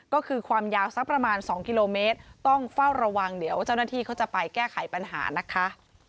ก็คือความยาวสักประมาณ๒กิโลเมตรต้องเฝ้าระวังเดี๋ยวเจ้าหน้าที่เขาจะไปแก้ไขปัญหานะคะ